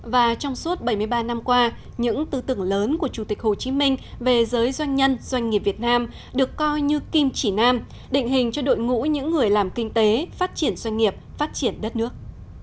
và trong suốt bảy mươi ba năm qua những tư tưởng lớn của chủ tịch hồ chí minh về giới doanh nhân doanh nghiệp việt nam được coi như kim chỉ nam định hình cho đội ngũ những người làm kinh tế phát triển doanh nghiệp phát triển đất nước